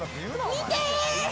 見て！